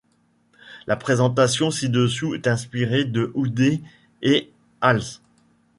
La présentation ci-dessous est inspirée de Houdé et als.